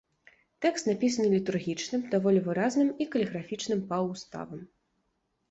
Тэкст напісаны літургічным, даволі выразным і каліграфічным паўуставам.